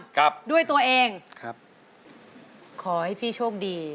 ครับครับด้วยตัวเองขอให้พี่โชคดี